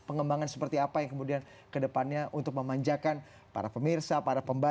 pengembangan seperti apa yang kemudian kedepannya untuk memanjakan para pemirsa para pembalap